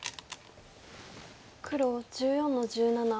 黒１４の十七ハネ。